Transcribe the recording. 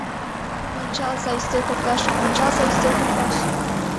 Ончалза ӱстел коклаш, ончалза ӱстел коклаш -